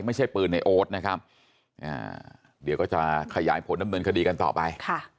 ไม่ใช่ปืนในโอ๊ตนะครับเดี๋ยวก็จะขยายผลดำเนินคดีกันต่อไป